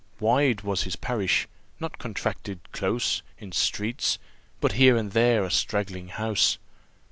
Wide was his parish, not contracted close In streets but here and there a straggling house.